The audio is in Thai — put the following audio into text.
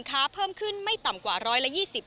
จำนวนนักท่องเที่ยวที่เดินทางมาพักผ่อนเพิ่มขึ้นในปีนี้